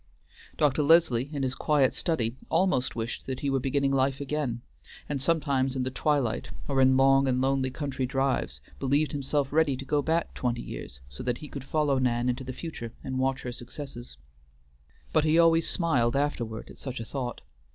Dr. Leslie in his quiet study almost wished that he were beginning life again, and sometimes in the twilight, or in long and lonely country drives, believed himself ready to go back twenty years so that he could follow Nan into the future and watch her successes. But he always smiled afterward at such a thought.